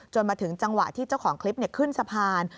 มาถึงจังหวะที่เจ้าของคลิปขึ้นสะพาน